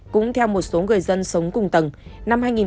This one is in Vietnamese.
cũng theo một số người dân sống cùng tầng